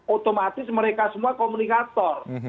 otomatis mereka semua komunikator